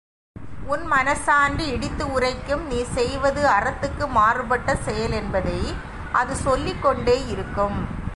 உன் மனச்சான்று இடித்து உரைக்கும் நீ செய்வது அறத்துக்கு மாறுபட்ட செயல் என்பதை அது சொல்லிக் கொண்டே இருக்கும்.